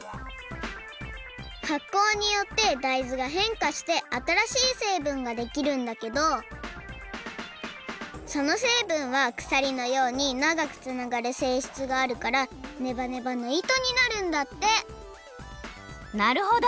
はっこうによって大豆がへんかしてあたらしいせいぶんができるんだけどそのせいぶんはくさりのようにながくつながるせいしつがあるからネバネバのいとになるんだってなるほど！